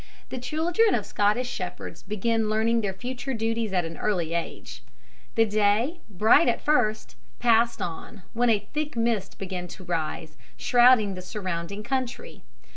The children of Scottish shepherds begin learning their future duties at an early age. The day, bright at first, passed on, when a thick mist began to rise, shrouding the surrounding country.